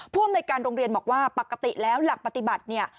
พ่วนในการโรงเรียนบอกว่าปกติแล้วหลักปฏิบัติ